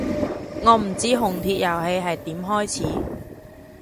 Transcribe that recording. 我唔知紅帖遊戲係點開始